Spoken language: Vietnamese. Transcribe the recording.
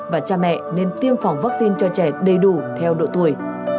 và cha mẹ nên tiêm phòng vaccine cho trẻ đầy đủ theo độ tuổi